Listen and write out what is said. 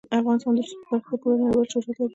افغانستان د رسوب په برخه کې پوره نړیوال شهرت لري.